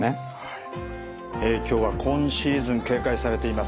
今日は今シーズン警戒されています